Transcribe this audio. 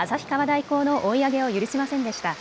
大高の追い上げを許しませんでした。